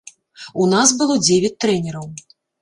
У нас было дзевяць трэнераў.